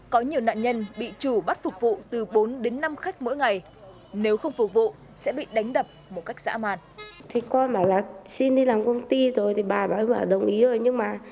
có nhiều nạn nhân bị chủ bắt phục vụ từ bốn đến năm khách mỗi ngày nếu không phục vụ sẽ bị đánh đập một cách dã mà